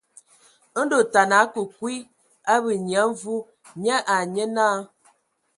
Ndɔ otana a ake kwi ábe Nyia Mvi nye ai nye náa.